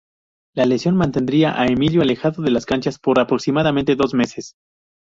La lesión, mantendría a Emilio; alejado de las canchas, por aproximadamente dos meses.